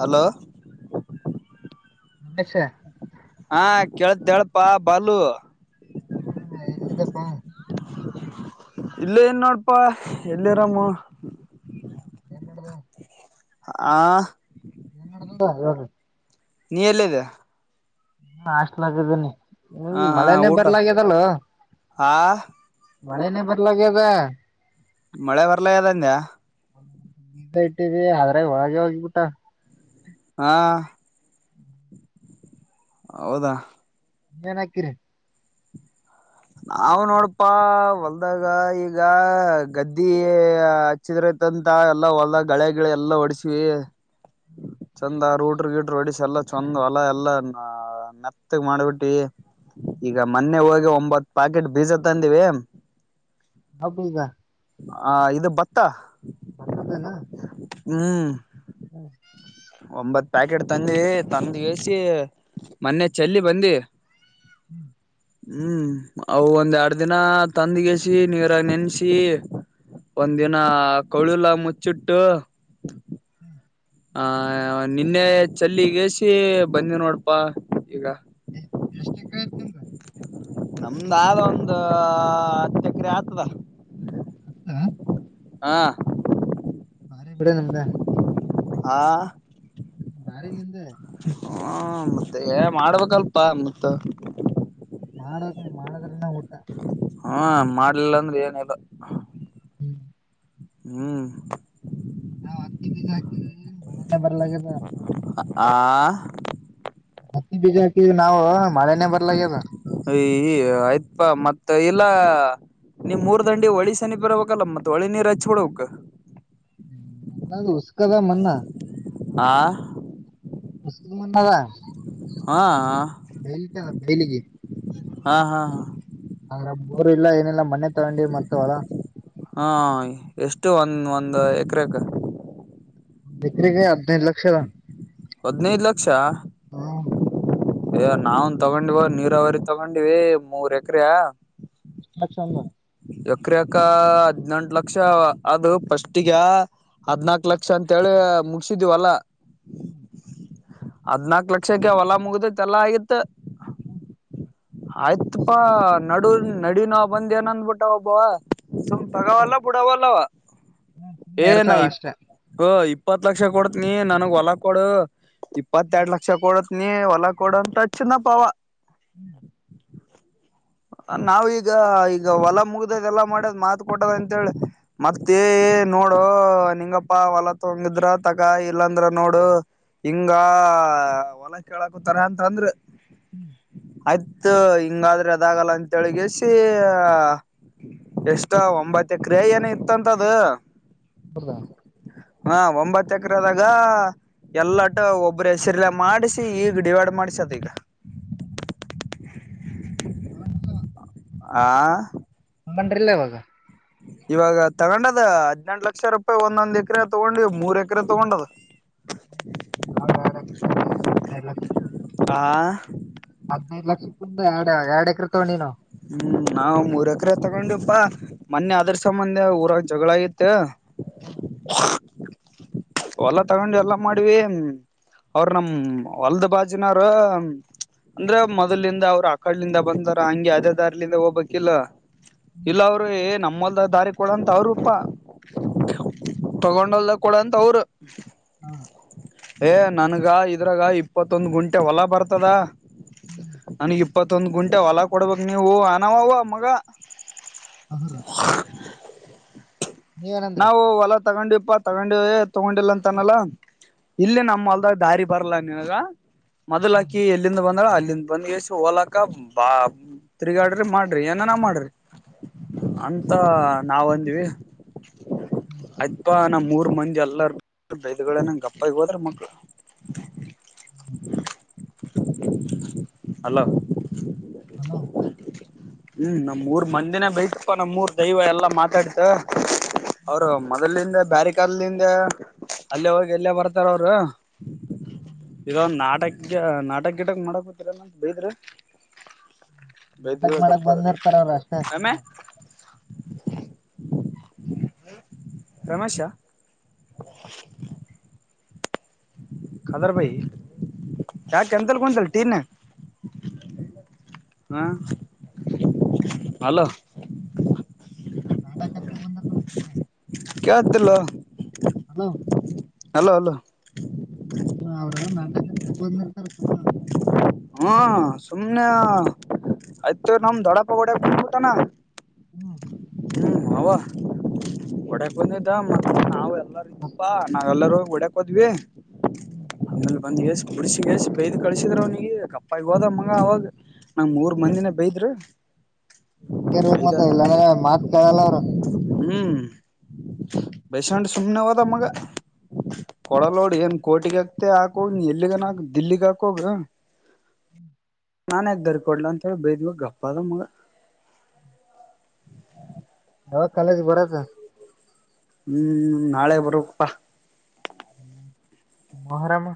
[inaudible] Hello Ayesha ಹಾ ಕೇಳ್ದ ಹೇಳಳ್ಪಾ ಬಾಲು ಹ್ಮ್ ಎಲ್ಲಿದಪ್ಪಾ ಇಲ್ಲ ಏನ್ ನೋಡಪಾ ಎಲ್ಲಿರಾಮ ಹ್ಮ್ ನಡದ ಆ ನ್ ಆರು ನಿಯಲ್ಲೇಾ ಹ ಹಷ್ಟಲಾಗದನನೆ ಹ ಹ್ಮ್ ಹಾ ಮಳೆಯನೇ ಊಟ ಬರ್ಲಾಗ್ಯದಲ್ಲ ಆ ಮಳೆನ ಬದಲಾಗದ ಮಳೆ ಬರ್ಲ ಅದಂದ ಇಟ್ಟಿದಿ ಆದ್ರೆ ಒಳಗೆ ಹೋಗಿಬಿಟ ಹಾ ಹೌದಾ ನಕ್ಕರ ನಾವ್ ನೋಡಪಾ ಹೊಲ್ದಾಗ ಈಗ ಗದ್ದಿ ಹಚ್ಚಿದ್ರೈತಂತ ಎಲ್ಲಾ ಹೊಲ್ದಾಗ ಗಳೆ ಗಿಳ ಎಲ್ಲಾ ಹೊಡಸ್ವಿ ಚಂದ ರೋಡ್ ಗಿಡ್ರ ಗಿಡರು ಹೊಡಿಸ ಎಲ್ಲ ಚಂದ್ ಹೊಲ ಎಲ್ಲಾ ನೆತ್ತಗ್ ಮಾಡ್ಬಿಟ್ಟಿ ಈಗ ಮೊನ್ನೆ ಹೋಗ್ ಒಂಬತ್ತು ಪಾಕೆಟ್ ಬೀಜ ತಂದವಿ ಎ ಹೌಬ ಈಗ ಹ ಇದು ಭತ್ತ ಹ್ಮ್ ಹ್ಮ ಒಂಬತ್ ಪ್ಯಾಕೆಟ್ ತಂದಿ ತಂದಗಸಿ ಮೊನ್ನೆ ಚಲ್ಲಿ ಬಂದಿ ಹ್ಮ್ [inaudible] ಹ್ಮ್ ಅವು ಒಂದ್ ಎರಡ್ ದಿನ ತಂದಗಸಿ ನೀರಾಗ ನೆನ್ಸಿ ಒಂದಿನ ಕಳುಲ್ಲ ಮುಚ್ಚಿಟ್ಟು ಹ್ಮ್ [inaudible] ಆ ನಿನ್ನೆ ಚಲ್ಲಿಗಸಿ ಬಂದಿ ನೋಡಪಾ ಈಗ ಎ್ ಎಷ್ಟ ಎಕ ಆತನ್್ರ ನಮ್ದ ಆದ ಒಂದ ಹತ್ತು ಎಕರೆ ಆತದ ಹಾಂ ಬಾರಿ ಬಿಡ ನಿಂದೆ ಹಾ ಬಾರಿ ನಿಂದೆ ಹ್ಮ ಮತ್ತೆ ಮಾಡ್ಬೇಕಲ್ಪ ಮತ್ ಮಾಡ ಮಾಡ [inaudible] ಹ್ಮ ಮಾಡ್ಲಿಲ್ಲ ಅಂದ್ರೆ ಏನಲ್ಲ ಹ್ಮ್ [inaudible] ಹ್ಮ್ ನಾವ್ ಹತ್ತಿ ಬೀಜ ಹಾಕಿದ್ರಿ ಮನಗೆ ಬರ್ಲಗೆದೇ ವಾ [inaudible] ಹತ್ತಿ ಬೀಜ ಹಾಕಿದ ನಾವು ಮಳೆನೇ ಬ ಈ ಆಯ್ತ್ಪಾ ಮತ್ ಮ ಇಲ್ಲಾ ನಿಮ್ ಮೂರ್ ದಂಡಿ ಹೊಳಿ ಸನಿ ಬರ್ಬೇಕಲ್ಲ ಮತ್ತತ್ ಒಳಿ ನೀರು ಹಚ್ ಬಿಡ್ ಅವ್ಕ್ ಹ್ಮ ನಲ್ಲ ಉಸ್ಕದ ಮನ್ನಾ ಆ ಮು ಭಾವ [unintelligible] ಹಾ ಬೇಲಕ್ಕೆ ಬೇಲಿಗೆ ಹಾ ಹಾ ಹಾ ಬೋರ್ ಇಲ್ಲ ಏನಿಲ್ಲ ಮನೆೆ ತಗೊಂಡಿ ಮರ್ತವಳ ಹಾ ಎಷ್ಟು ಒಂದ ಒಂದ್ ಎಕರೆಕ್ ಎಕ್ಕರೆಗೆ ಹದಿನೈದು ಲಕ್ಷದ ಹದ್ನೈದು ಲಕ್ಷ ಅಯ ನಾವನ್ ತಗೊಂಡಿವ ನೀರಾವರಿ ತಗೊಂಡಿವ ಮೂರ್ ಎಕ್ರೆಯ ಅ ಚಂದ ಎಕ್ರ ಯಕ ಹದ್ನೆೆಂಟ ಲಕ್ಷ ಅದು ಪಫಸ್ಟಗ ಹದ್ನಾಕ್ ಲಕ್ಷ ಅಂತೇಳಿ ಮುಗಸಿದೀವಲ್ಲ ಹ್ಮ್ ಹದ್ನಾಕ ಲಕ್ಷಕ್ಕೆ ಹೊಲ ಮುಗ್ದತ್ ಎಲ್ಲಾ ಆಗಿತ್ತು ಹ್ಮ್ ಆಯ್ತಪಾ ನಡು ನಡಿನ ಬಂದೇಏನಂದ್ಬಿಟ್ಟ ಒಬ್ಬವ ಸುಮ್ ತಗಾವಲ್ಲ ಬುಡವ ಅಲ್ಲವ ಏ ಎರಡ್ ನ ಸಾವಿರ ಹ ಇ ಅಷ್ಟೇ ಇಪ್ಪತ್ ಲಕ್ಷ ಕೊಡ್ತನಿ ನನಗ್ ಹೊಲ ಕೊಡು ಇಪ್ಪತ್ತೆರಡು ಲಕ್ಷ ಕೊಡ ನೀ ಹೊಲ ಕೊೂಡ ಅಂತ ಅಚ್ಚಂದ ಪವ ಹ್ಮ್ ನಾವೀಗ ಈಗ ಹೊಲ ಮುಗ್ದದ ಎಲ್ಲಾ ಮಾಡದ್ ಮಾತ ಕೊಟ್ಟದ ಅಂತೇಳ ಮತ್ತೇ ನೋಡು ನಿಂಗಪ್ಪಾ ಹೊಲ ತಂಗಿದ್ರ ತಗ ಇಲ್ಲಾಂದ್ರ ನೋಡು ಹಿಂಗ ಹೊಲ ಕೇಳಕತಾರ ಅಂತ ಅಂದ್ರ ಹ್ಮ್ ಅದ್ ಇತ್ತು ಹಿಂಗಾದ್ರೆ ಅದಾಗಲ್ಲ ಅಂತಳ್ಗಿಸಿ ಎಷ್ಟ ಒಂಬತ್ತ ಕ್ರಿಯ ಏನ ಇತ್ತಂತದ ಅಬ್ರದಾ ಹಾ ಒಂಬತ್ತ ಎಕರೆದಾಗ ಎಲ್ಲಟ ಒಬ್ಬ್ರ ಹೆಸರುಲ್ಲ ಮಾಡ್ಿಸಿಿ ಈಗ ಡಿವೈಡ್ ಮಾಡ್ಸ ಅದ ಈಗ ಆ ಹಂಗೊಂಡ್ರಿಲ್ಲ ಇವಾಗ ಇವಾಗ ತಗೊಂಡದ ಹದ್ನೆೆಂಟ ಲಕ್ಷ ರೂಪಾಯಿ ಒಂದೊಂದ್ ಎಕ್ರ ತಗೊಂಡು ಮೂರ್ ಎಕರೆ ತಗೊಂಡದ ನಾವ್ ಎರಡ್ ಸಿತಗಿ ಅೆಡ್ ಲ ಸಿತ ಹಾ ಹದಿನೈದು ಲಕ್ಷಕ್ಕಿಂದಡ್ ಹ್ಮ್ ನಾವವು ಮೂರಕರೆ ತಗೊಂಡು ಪ್ಪಾ ಮೊನ್ನೆ ಅದ್ರ ಸಂಬಂಧ ಊರಾಗ ಜಗಳಾಗಿತ್ತು ಹ ಹೊಲ್ಲ ತಗೊಂಡು ಎಲ್ಲಾ ಮಾಡ್ವಿ ಅವ್ರ ನಮ ಹೊಲದ ಬಾಜಿನಾರ ಅಂದ್ರ ಮೊದ್ಲಿಂದ ಅವರು ಆ ಕಡ್ಲಿಂದ ಬಂದಾರ ಹಂಗೆ ಅದೇ ದಾರ್ಲಿಂದ ಹೋಗ್ಬೇಕಕ್ಿಲ್ಲ ಇಲ್ಲ ಅವರು ಏ ನಮ್ಮ ಲ್ದಾಗ ದಾರಿ ಕೊಡಂತ ಅವರುೂಪ್ಪಾ ಹ್ಮ್ ತಗೊಂಡಲ್ದ ಕೂಡ ಅಂತ ಅವ್ರು ಹಾ ಏ ನನಗೆ ಇದ್ರಾಗ ಇಪ್ಪತ್ತೊಂದು ಗುಂಟೆ ಹೊಲ ಬರ್ತದ ನಾನ ಇಪ್ಪತ್ತು ಮತ್ತೊಂದು್ ಗಂಟೆ ಹೊಲ ಕೊಡ್ಬೇಕಕ್ ನೀವು ಅನವು ಮಗ ಹ ರ ಹ್ಮ ನಾವು ಹೊಲ ತಗೊಂಡುಪ್ಪಾ ತಗೊಂಡೇ ತಗೊಂಡಿಲ್ಲಂತನಲ್ಲ ಇಲ್ಲೇ ನಮ್ಮ ಅಲ್ದಾಗ ದಾರಿ ಬರಲ್ಲ ನಿಿನಗ ಮೊದ್ ಹಾಕಿ ಎಲ್ಲಿಂದ ಬಂದಳ ಅಲ್ಲಿ ಇಲ್ಲಿಂದ ಬಂದ್ ಎಷ್ಟ ಹೋಲಕ್ಕ ಬಾ ತಿರುಗಾಡ್ರಿ ಮಾಡ್ರಿ ಏನನ ಮಾಡ್ರಿ ಅ ಮತ್ತ ನಾವ ಅಂದೀವಿ ಅಧ್ವಾಾನ ಮೂರು ಮಂಜ ಅಲ್ಲ ಬೈದ ನಂಗಗೆ ಅಪ್ಪಗ ಹೋದ್ರ ಮಕ್ಕಳು ಅಲ ಹಲೋ ಹ್ಮ್ ನಮ್ಮ್ೂರ್ ಮಂದಿನ ಬೈತಪ್ಪಾ ನಮ್ಮೂರ್ ದೈವ ಎಲ್ಲಾ ಮಾತಾಡತ ಅವರು ಮೊದಲಿಂದ ಬ್ಯಾರಿಕರ್ದಿಂದ ಅಲ್ಲೇ ಹೋಗಿ ಎಲ್ಲೇ ಬರ್ತಾರ ಅವರು ಇದೊಂದು ನಾಟಕ ಈಗ ನಾಟಕ ಗಿಟಕ್ ಮಾಡಕ್ ಗೊತ್ತರ ನ ಬೈದ್ರೆ ಮಾಡಗ್ ಮಾಡಕ್ ಬಂದಿರ್ತಾರ್ರ ಅಷ್ಟೇ ರಮೆ ತುಂಬಾ ರಮೇಶ ಹ್ಮ್ಮ್. ಕದರ ಭಾಯ ಯಾ ಕೆಂತಲ್ಲ ಕುಂತಲ್ಲ ತೀರ್ನ ಹಾ ಹಲೋ ಹ ್ಮ ನಾಟಕ ಬಂದ ಕೇಳತಿಲ್ಲ ಹಲೋ ಅಲೋ ಅಲೋ ಹ ಹ್ಮ ಅವ್ರ ನಟ ಕರ್ತ ಬಂದ್ಿರ್ತಾರೆ ಸುಮಮ್ಮ ಹ್ಮ ಸುಮ್ನೆ ಆಯ್ತು ನಮ ದೊಡಪಗೋಡೆ ಬಂದ್ಬಟಾನ ಹ್ಮ್ ಹ್ಮ್ ಅವ ಒಡಕ್ ಬಂದಿದ್ದ ಮ ನ ಎಲ್ಲ ಇದ್ದಪ್ಪಾ ನಾವ ಎಲ್ಲರೂ ಗುಡಾ ಕದೆ ಹ ಒಂದ್ ಎೇಸ್ ಕುುಡ್ಸಿ ೇಸ್ ಬೈಯ್ದ್ ಕಳಸಿದ್ರ ಅವ್ನಿಗೆ ಕಪ್ಪಗ್ ಹೋದಮ್ಮಂಗ ಅವಾಗ ನಂಗ್ ಮೂರ್ ಮಂದಿನ ಬೈದ್ರ ನಂಗಗೆ ಇರ್ಬೇಕ ಮಾತ್ರ ಇಲ್ಲ ಅಂದ್ರೆ ಮಾತ್ ಕಲ್ಲರ ಹ್ಮ್ ಬಸ್ಂಡ ಸುಮ್ನೆ ಹದ ಮಗ ಕೊಡಲ್ಲ ನೋಡಿ ಏನ್ ಕೋಟಿಗ ಹಕ್ತೆ ಹಾಕೋಗ ಎಲ್ಲಿಗಾನ ದಿಲ್ಲಿಗ್ ಹಾಕೋಗ ನಾನ್ಯಕ ದರಿಕಡ್ಲ ಅಂತ ಹೇಳಿ ಬೈದ್ವಾಗ ಗಪ್ಪ ಅದ ಮಗ ಯಾವಾಗ ಕಾಲೇಜ್ ಬರದು ಹ್ಮ್ ನಾಳೆ ಬರಪ್ಪಾ ಮಹರಾಮ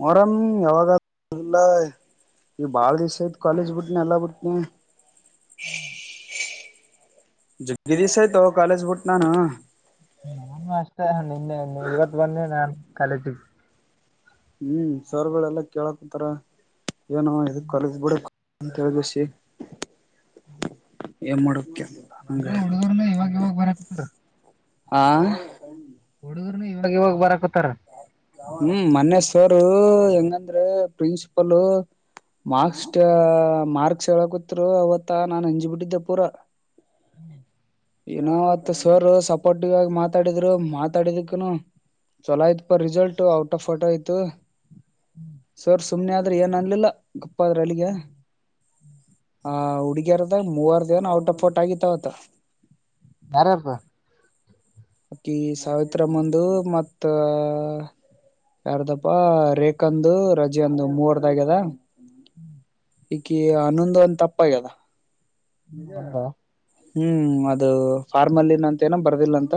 ಮೊರಂ ಯಾವಾಗಲ್ಲ ಈಗ ಬಾಳ ದಿವ್ ಐತ್ ಕಾಲೇಜ್ ಬಿಟ್ನಿ ಎಲ್ಲಾ ಬಿಟ್ನಿ ಹ್ಮ್ ಜ ಗಿರಿ ಸಹ ತ ಕಾಾಲಜ ಬುಟ್ ನಾನ ನಾನು ಅಷ್ಟೇ ನಿನ್ನೆ ಇವತ್ ಬನ್ನಿ ನಾು ಕಲಟಿ ಹ್ಮ್ ಸರ್ಗಳೆಲ್ಲ ಕೇಳಕ್ತಾರ ಏನು ಇದ ಕಾಲೇಜ ಬಿಡು ಅಂತ ದಸ್ಯ ಹ್ಮ್ ಎ ಮಕ್ಯ ಅಂಗೆ ಇವಾಗ ಇವಾಗ ಬರಕತ್ತಾರ ಆಾ ಹುಡುರ್ ಇವಾಗ ಇವಾಗ ಬರಕತಾರ ಹ್ಮ ಮನ್ನ್ವರ್ ಹೆಂಗಂದ್ರೆ ಪ್ರಿನ್ಸಿಪಲ್ ಮಾರ್ಕ್ಸ್ಟ್ ಮಾರ್ಕ್ ಹೇಳಕೂತ್ರು ಅವತ್ತಾ ನಾನನ್ ಹಂಜಿ ಬಿಟ್ಟಿದ್ದೆ ಪೂರಾ ಏನೋ ಆತ್ ಸರ್ ಸಪೋರ್ಟಿವ್ ಆಗಿ ಮಾತಾಡಿದ್ರು ಮಾತಾಡಿದಕ್ಕನು ಚೊಲೋ ಆಯ್ತ್ ಪ ರಿಸಲ್ಟ್ ಔಟ್ ಆಫ್ ಟ ಆಯ್ತು ಸರ್ಸ ಸುಮ್ನೆ ಆದ್ರೆ ಏನ ಆಗ್ಲಿಲ್ಲ ಅಪ್ಪದ್ರ ಅಲ್ಲಿಗೆ ಆ ಹುಡುಗ್ಯರ್ದಾಗ ಮೂವರ್ ದೇವನ ಔಟ್ ಆಫ್ ೋರ್ಟ್ ಆಗಿತ್ವತ್ತ ಯಾರ ಇಪ ಅಕಿ ಸಾವಿತ್ರಾಮಂದು ಮತ್ತ ಯಾರ್ದಪ್ಪ ರೇಖಂದು ರಜೆ ಅಂದು ಮೂವರ್ದಾಗ್ಯದ ಹ್ಮ್ ಈಕ ಹನ್ನೊಂದು ಒಂದ ತಪ್ಪಾಗ್ಯದ ನಿಜಾ ಒಂದ ಹ್ಮ್ ಅದು ಫಾರ್ಮಲ್ಲಿನ ಅಂತ ಏನ ಬರ್ದಿಲ್ಲ ಅಂತ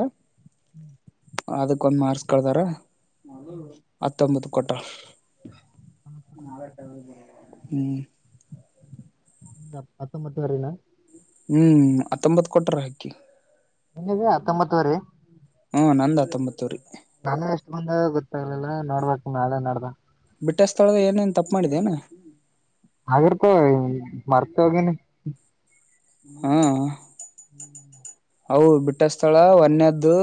ಹ್ಮ್ ಅದಕ್ಕ ಒಂದ್ ಮಾರ್ಸ್ ಕಳದಾರ ಅ ಹತ್ತೊಂಬತ್ತು ಕೊಟ್ಟ ನಾಳೆಟ ಹ್ಮ್ ಹ ಪತ್ತೊಂಬತ್ತು ವರೆನ ಹ್ಮ್ ಹತ್ತೊಂಬತ್ ಕೊಟ್ರ ಹಕ್ಕಿ ನಿನ್ನಿದೆ ಹತ್ತೊಂಬತ್ತುವರಿ ಹ ನಂದ ತೊಂಬತ್ತೂರಿ ನಳೆ ಎಷ್ಟು ಬಂದ ಗೊತ್ತಾಗ್ಲಿಲ್ಲ ನೋಡ್ಬೇಕಕ್ ನಾಳೆ ನೋಡ್ದ ಬಿಟ್ಟೆ ಸ್ಥಳದ ಏನೇನ್ ತಪ್ಪು ಮಾಡಿದೆನಾ ಹಾಗಿರ್ತ ಮರ್ತ ಹೋಗೇನೆ ಹಾ ಹ್ಮ್ ಹೌ ಬಿಟ್ಟಸ್ಥಳ ಒನ್ಯದ್ದು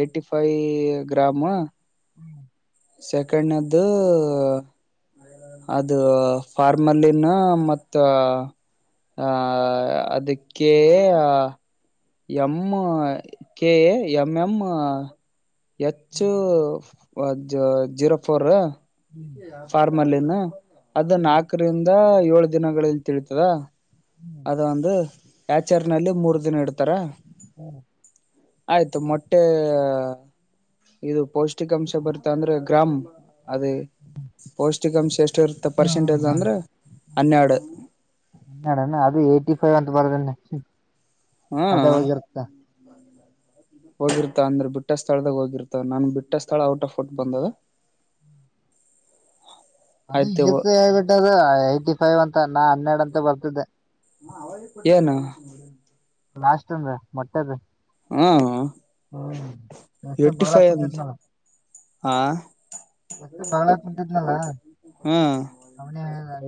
ಏ್ಟಿ ಫೈವ ಗ್ರಾಮ್ ಹ್ಮ್ ಸೆಕೆಂಡ್ದ್ದು ಅದು ಫಾರ್ಮಲ್ಲಿನ ಮ ಆ ಅದಕ್ಕೆ ಎಂ ಕೆೇ ಎಂ ಎಂ ಹೆಚ್ಚು ಒ ಜೀರೋ ಫೋರ್ ಫಾರ್ಮ ಅಲ್ಲಿನ ಹ ಅದು ನಾಲ್ಕರಿಂದ ಏಳು ದಿನಗಳಲ್ಲಿ ತಿಳತದಾ ಅದು ಒಂದು ಆಚಾರಲ್ಲಿ ಮೂರು ದಿನ ಇೆ ತ್ತರ ಹ್ಮ್ ಆಯ್ತು ಮೊಟ್ಟೆ ಇದು ಪೌಷ್ಟಿಕಾಂಶ ಬರ್ತಾ ಅಂದ್ರೆ ಗ್ರಾಮ್ ಅದೇಷ ೇ ಪರ್ಸೆಂಟೇಜ್ ಅಂದ್ರೆ ಹನ್ನೆರಡು ಸ ಆಂತ ಬದನೆ ಹಾ ಅದೇ ಹೋಗಿರ್ತಾ ಹೋಗಿರ್ತ ಅಂದ್ರೆ ಬಿಟ್ಟ ಸ್ಥಳದಾಗ ಹೋಗಿರ್ತ ನಾನ ಬಿಟ್ಟ ಸ್ಥಳ ಔಟ್ ಆಫ್ ಫಟ್ ಬಂದದ ಅದ ಆಯ್ತು ಹೇಳ್ಬಿಟ್ಟ ಅದ ಐಟಿ ಫೈವ್ ಅಂತ ನಾ ಹನ್ನೆರಡು ಅಂತ ಬರ್ತಿದ್ದೆ ಏನು ಲಾಸ್ಟ್ಂದ ಮೊಟ್ಟೆದ ಹಾ ಹ್ಮ್ ಎಷ್ಟ ಏಟಿ ಬಳ ಫೈವ್ ಅಂತ ಕುಂತಿದ್ನಲ್ಲ ಆ ಎಷ್ಟ ಬಳ ಕುಂಂತಿದ್ನಲ್ಲ ಹಾ ಅವನ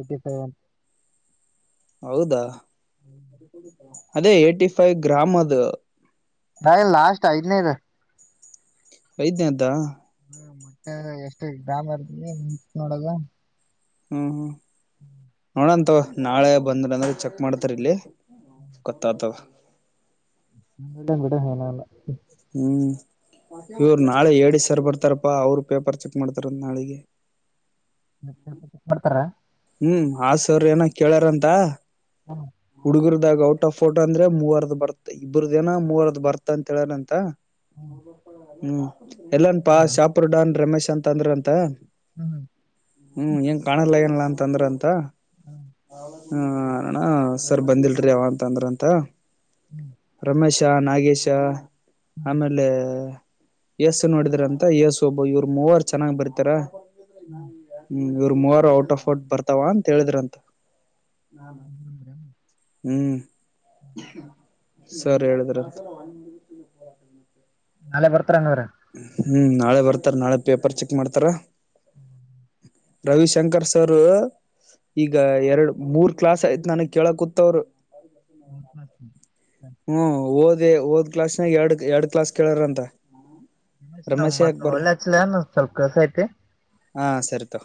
ಯ್ಟಿ ಸೆವೆನ್ ಹೌದಾ ಅದೇ ಏ್ಟಿ ಫೈವ್ ಗ್ರಾಮ್ ಅದ ನ ಲಾಸ್ಟ್ ಆಯದನರ ವಐದ್ಯ ಅ್ದ ಮಟ್ಟೆ ಎಷ್ಟು ಗ್ರಾಮ ಇರ್ತಿ ನೋಡದ ಹ್ಮ ಹ್ಮ ಹ್ಮ ನೋಡಂತ ನಾಳೆ ಬಂದ್ರ ಅಂದ್ರೆ ಚೆಕ್ ಮಾಡ್ತಾರ ಇಲ್ಲಿ ಕತ್ತತ ನ್ ಕೂಡ ಹನಲ್ಲ ಹ್ಮ್ ಇವ್ರು ನಾಳೆ ಎ ಸರ್ ಬರ್ತಾರಪ್ಪಾ ಅವ್ರು ಪೇಪರ್ ಚೆಕ್ ಮಾಡ್ತಾರ ನಾಳಿಗೆ ಸ್ವಲ್ಪ ಮಾಡ್ತಾರ ಹ್ಮ್ ಆಸ ಅವ್ರ ಏನ ಕೇಳ್ಯಾರಂತ ಹುಡುಗುರು ಇದಾಗ ಔಟ್ ಆಫ್ ಫೋಟೋ ಅಂದ್ರೆ ಮೂವರದ ಬರ್ತ ಇಬ್್ರದೇನ ಮೂವರದ ಬರ್ತ ಅಂತ ಹೇಳೇನ ಅಂತ ಹ ಹ್ಮ್ ಎಲ್ಲನ್ ಪಾ ಸಾಪಡಡಾನ್ ರಮೇಶ್ ಂತ ಅಂದ್ರ ಅಂತ ಹ್ಮ್ ಂಗ ಕಾಣಲ್ಲ ಏನಲ್ಲ ತಂದ್ರಂತ ಹ ಹಾ ಅಣ ಸರ್ ಬಂದಿಲ್ರಿ ಯಾವ ಅಂತ ಅಂದ್ರಂತ ರಮೇಶ್ ಶ ನಾಗೇಶಾ ಆಮೇಲೆ ಯಸು ನೋಡಿದ್ರ ಅಂತ ಯಸು ಒಬ್ಬ ಇವ್ರ ಮೂವಾರ ಚೆನ್ನಾಗ್ ಬರ್ತಾರ ಹ್ಮ್ ಇ ಮೂವರು ಔಟ್ ಆಫ್ ಬರ್ತಾವ ಅಂತ ಹೇಳಿದ್ರಂತ ಹ್ಮ್ ಹ ಸರಿ ಹೇಳಿದ್ರ ನಾಳೆ ಬರ್ತ ಪತ್ರನ್ನುವರೆ ಹ್ಮ್ ನಾಳೆ ಬರ್ತಾರ ನಾಳೆ ಪೇಪರ್ ಚೆಕ್ ಮಾಡ್ತಾರ ಹ್ಮ್ ರವಿಶಂಕರ್ ಸರ್ ಈಗ ಎರಡು ಮೂರ್ ಕ್ಲಾಸ್ ಯ್ತ್ು ನನಗ್ ಕೇಳ ಕೂತ್ವರು ಹ್ಮ್ಲ ಸರಿ ಇೇ ಹಓದ್ ಕ್ಲಾಸ್ ನ ಎರಡ್ ಎರಡ್ ಕ್ಲಾಸ್ ಕೇಳಾರ ಅಂತ ನಮ ನ ಮತ್ತ ಒಳ್ಳೆ ಆಚಲ ಏ ಸ್ವಲ್ಪ ಕೆಲಸ ಐತಿ ಹ ಸರಿತೋ